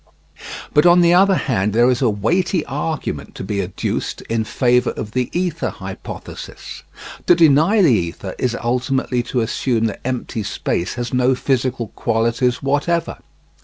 But on the other hand there is a weighty argument to be adduced in favour of the ether hypothesis. To deny the ether is ultimately to assume that empty space has no physical qualities whatever.